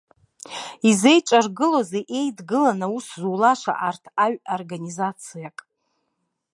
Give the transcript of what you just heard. Изеиҿаргылоузеи еидгыланы аус зулаша арҭ аҩ-организациак?